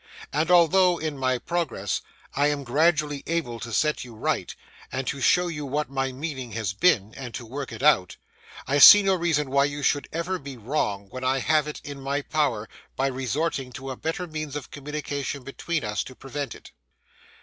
And although in my progress, I am gradually able to set you right, and to show you what my meaning has been, and to work it out, I see no reason why you should ever be wrong when I have it in my power by resorting to a better means of communication between us to prevent it.